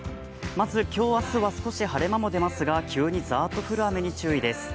今日明日は少し晴れ間も出ますが、急にザーッと降る雨に注意です。